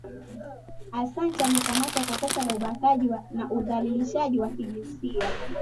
asanch amekamatwa kwa kosa la ubakaji na udhalilishaji wa kijinsia